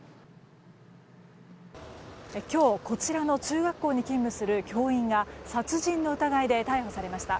今日、こちらの中学校に勤務する教員が殺人の疑いで逮捕されました。